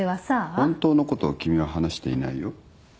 本当のことを君は話していないよ。